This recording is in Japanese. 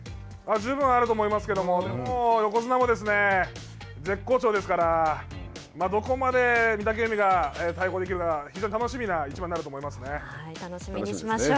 十分あると思いますけれども、でも、横綱も絶好調ですからどこまで御嶽海が対抗できるか非常に楽しみな楽しみにしましょう。